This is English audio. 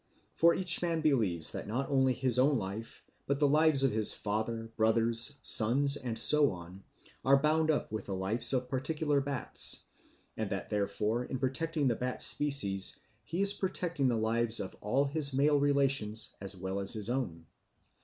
For each man believes that not only his own life but the lives of his father, brothers, sons, and so on are bound up with the lives of particular bats, and that therefore in protecting the bat species he is protecting the lives of all his male relations as well as his own.